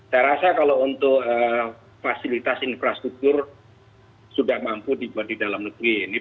saya rasa kalau untuk fasilitas infrastruktur sudah mampu dibuat di dalam negeri ini